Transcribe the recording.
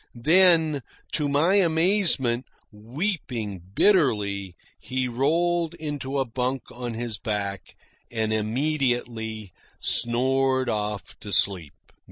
Then, to my amazement, weeping bitterly, he rolled into a bunk on his back and immediately snored off to sleep.